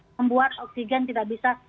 membuat oksigen tidak bisa